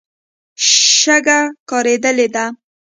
شګه کارېدلې ده.